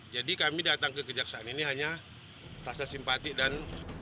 jadi kami datang ke kejaksaan ini hanya rasa simpati dan